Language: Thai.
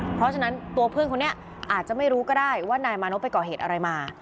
เพราะฉะนั้นตัวเพื่อนคนนี้อาจจะไม่รู้ก็ได้ว่านายมานพไปก่อเหตุอะไรมา